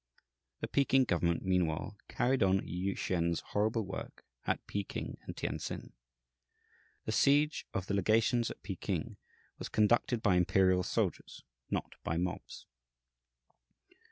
The Peking government meanwhile carried on Yü Hsien's horrible work at Peking and Tientsin. The siege of the legations at Peking was conducted by imperial soldiers, not by mobs.